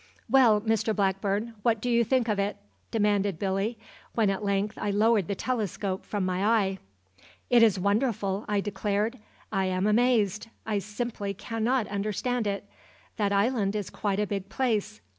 "Well, Mr Blackburn, what do you think of it?" demanded Billy, when at length I lowered the telescope from my eye. "It is wonderful," I declared. "I am amazed. I simply cannot understand it. That island is quite a big place.